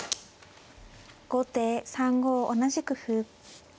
後手３五同じく歩。